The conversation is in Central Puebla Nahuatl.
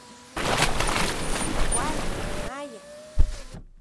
Kuali, maya.